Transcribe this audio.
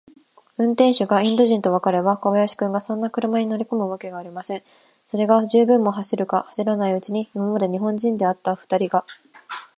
運転手がインド人とわかれば、小林君がそんな車に乗りこむわけがありません。それが、十分も走るか走らないうちに、今まで日本人であったふたりが、